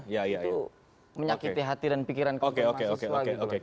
itu menyakiti hati dan pikiran kaum mahasiswa